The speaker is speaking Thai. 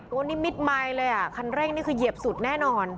อันนี้มิดไมค์เลยอ่ะคันเร่งนี่คือเหยียบสุดแน่นอน